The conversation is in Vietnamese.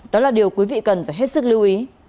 đó là điều quý vị cần phải hết sức lưu ý